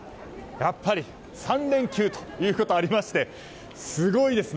やっぱり３連休ということもありまして、すごいです。